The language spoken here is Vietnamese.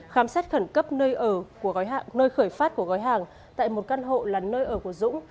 khám sát khẩn cấp nơi khởi phát của gói hàng tại một căn hộ là nơi ở của dũng